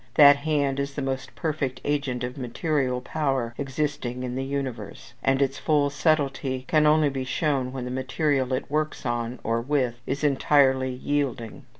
That hand is the most perfect agent of material power existing in the universe; and its full subtlety can only be shown when the material it works on, or with, is entirely yielding.